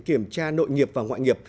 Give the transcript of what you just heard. kiểm tra nội nghiệp và ngoại nghiệp